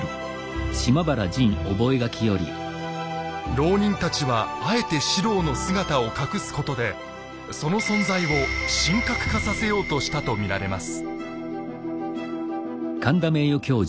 牢人たちはあえて四郎の姿を隠すことでその存在を神格化させようとしたと見られます。